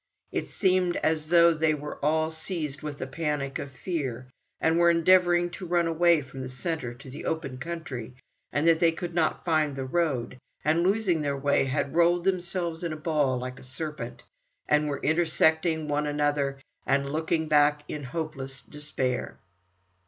It seemed as though they were all seized with a panic of fear, and were endeavouring to run away from the centre to the open country, and that they could not find the road, and losing their way had rolled themselves in a ball like a serpent, and were intersecting one another, and looking back in hopeless despair.